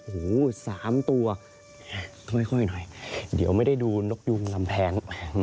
หู๓ตัวค่อยหน่อยเดี๋ยวไม่ได้ดูนกยุงลำแพง